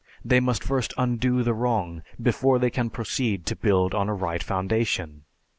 They must first undo the wrong before they can proceed to build on a right foundation.